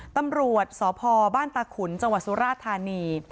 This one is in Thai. ตำรวจสพบ้านตาขุนจังหวัดสุราธานี